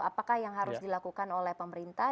apakah yang harus dilakukan oleh pemerintah